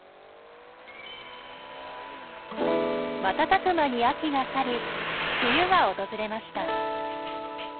瞬く間に秋が去り冬が訪れました。